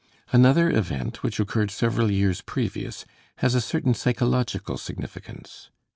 Another event, which occurred several years previous, has a certain psychological significance.